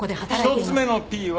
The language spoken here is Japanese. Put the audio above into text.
１つ目のＰは？